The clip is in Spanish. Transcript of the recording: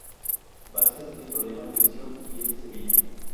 Vázquez tiene problemas de visión y es de Sevilla.